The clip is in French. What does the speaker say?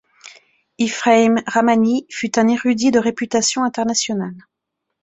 Ephrem Rahmani fut un érudit de réputation internationale.